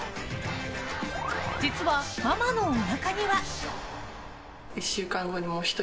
実はママのおなかには。